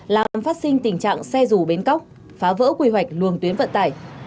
làm phát sinh tình trạng xe rù bến cóc phá vỡ quy hoạch luồng tuyến vận tải